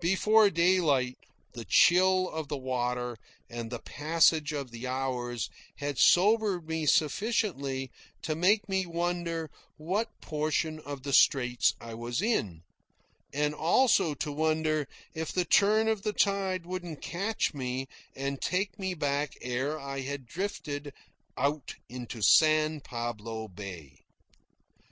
Before daylight, the chill of the water and the passage of the hours had sobered me sufficiently to make me wonder what portion of the Straits I was in, and also to wonder if the turn of the tide wouldn't catch me and take me back ere I had drifted out into San Pablo Bay.